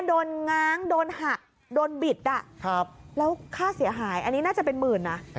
ง้างโดนหักโดนบิดแล้วค่าเสียหายอันนี้น่าจะเป็นหมื่นนะ